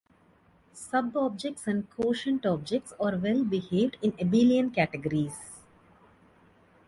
Subobjects and quotient objects are well-behaved in abelian categories.